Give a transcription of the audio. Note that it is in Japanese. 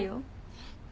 えっ？